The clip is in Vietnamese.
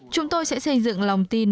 chúng tôi sẽ xây dựng lòng tin